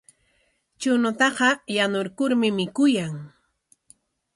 Chuñutaqa yanurkurmi mikuyan.